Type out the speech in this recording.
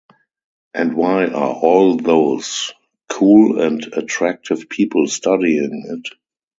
And why are all these cool and attractive people studying it?